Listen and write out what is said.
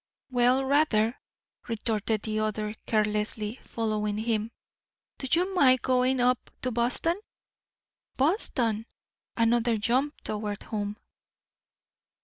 "Well, rather," retorted the other, carelessly following him. "Do you mind going up to Boston?" Boston! Another jump toward home.